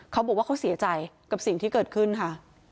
เขาบอกว่าเขาเสียใจกับสิ่งที่เกิดขึ้นค่ะ